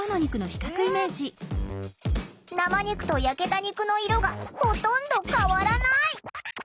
生肉と焼けた肉の色がほとんど変わらない！